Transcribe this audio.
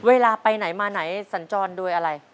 เวลาไปไหนมาไหนสัญจรโดยอะไร